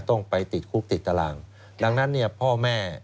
ต้องไปติดคุกติดตารางดังนั้นเนี่ยพ่อแม่